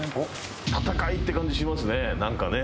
戦いって感じしますねなんかね。